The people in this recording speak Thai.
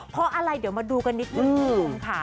เพราะอะไรเดี๋ยวมาดูกันนิดนึงคุณผู้ชมค่ะ